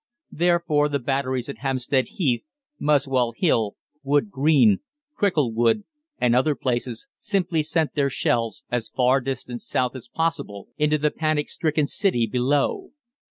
Therefore the batteries at Hampstead Heath, Muswell Hill, Wood Green, Cricklewood, and other places simply sent their shells as far distant south as possible into the panic stricken city below.